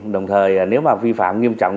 đồng thời nếu mà vi phạm nghiêm trọng